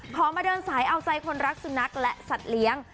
มาเดินสายเอาใจคนรักสุนัขและสัตว์เลี้ยง